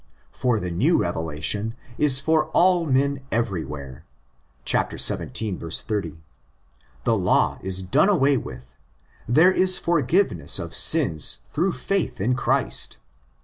For the new revelation is for "all men everywhere "' (xvii. 80). The law is done away with. There is forgiveness of sins through faith in Christ.